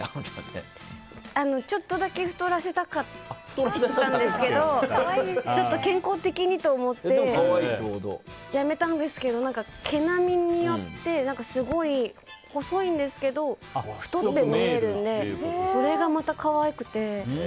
ちょっとだけ太らせたかったんですけどちょっと健康的にと思ってやめたんですけど何か毛並みによってすごい細いんですけど太って見えるのでそれがまた可愛くて。